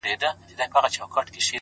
• جومات بل قبله بدله مُلا بله ژبه وايي ,